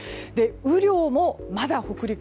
雨量もまだ北陸